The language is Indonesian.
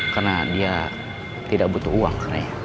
karena dia tidak butuh uang